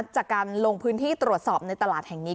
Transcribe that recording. จากการลงพื้นที่ตรวจสอบในตลาดแห่งนี้